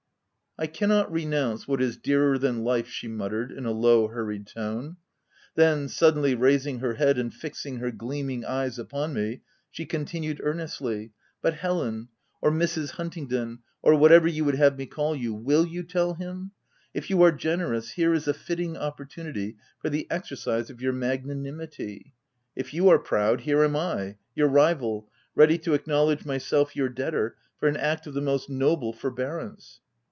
" I cannot renounce what is dearer than life," she muttered in a low, hurried tone^ Then, suddenly raising her head and fixing her gleaming eyes upon me, she continued ear nestly, " But Helen— or Mrs. Huntingdon, or whatever you would have me call you — will you tell him ? If you are generous, here is a fitting opportunity for the exercise of your magnanimity : if you are proud, here am I — your rival— ready to acknowledge myself your debtor for an act of the most noble forbear ance."